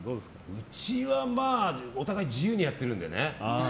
うちはお互い自由にやってるんでね。